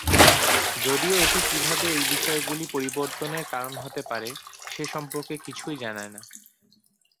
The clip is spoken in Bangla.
যদিও এটি কীভাবে এই বিষয়গুলি পরিবর্তনের কারণ হতে পারে সে সম্পর্কে কিছুই জানায় না।